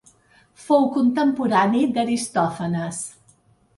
Fou contemporani d'Aristòfanes.